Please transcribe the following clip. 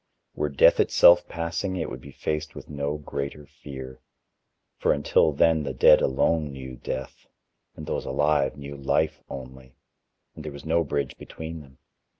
Were Death itself passing, it would be faced with no greater fear: for until then the dead alone knew Death, and those alive knew Life only and there was no bridge between them.